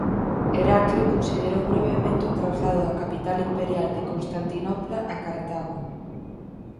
Heraclio considerou brevemente o traslado da capital imperial de Constantinopla a Cartago.